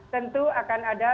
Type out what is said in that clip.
tentu akan ada